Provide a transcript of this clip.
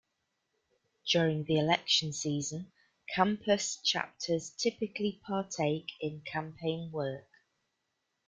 During the election season, campus chapters typically partake in campaign work.